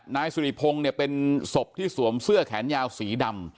นายสุริพงศ์เนี่ยเป็นศพที่สวมเสื้อแขนยาวสีดำ